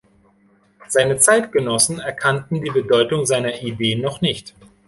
Seine Zeitgenossen erkannten die Bedeutung seiner Ideen noch nicht.